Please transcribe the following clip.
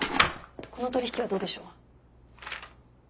この取引はどうでしょう。